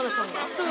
そう。